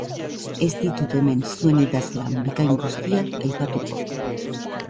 Ez ditut hemen zuen idazlan bikain guztiak aipatuko.